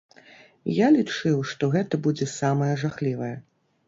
Я лічыў, што гэта будзе самае жахлівае.